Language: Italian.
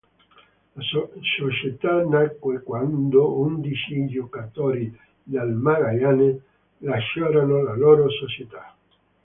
La società nacque quando undici giocatori del Magallanes lasciarono la loro società.